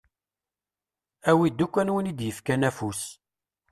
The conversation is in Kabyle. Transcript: Awi-d ukkan win i d-yefkan afus.